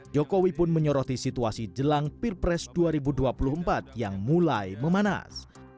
jokowi pun menyoroti situasi jelang pilpres dua ribu dua puluh empat yang mulai memanas